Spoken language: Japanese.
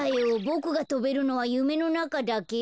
ボクがとべるのはゆめのなかだけ。